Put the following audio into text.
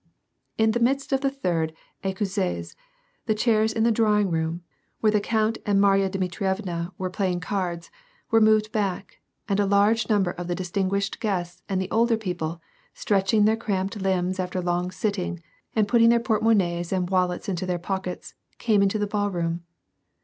" In the midst of the third " ^cossaise,^' the chairs in the drawing room, where the count and Marya Dmitrievna were 80 WAR AND PEACE. playing cards, were moved back, and a large niimber of the distinguished guests and the older people, stretching their cramped limbs after long sitting, and putting their port monaies and wallets into their pockets, came into the ball room.